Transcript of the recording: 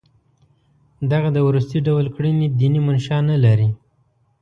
دغه د وروستي ډول کړنې دیني منشأ نه لري.